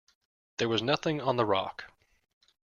There was nothing on the rock.